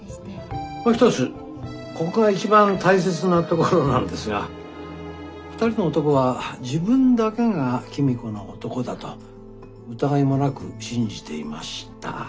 もう一つここが一番大切なところなんですが２人の男は自分だけが公子の男だと疑いもなく信じていました。